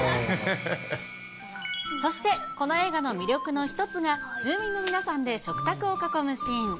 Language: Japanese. そして、この映画の魅力の１つが、住人の皆さんで食卓を囲むシーン。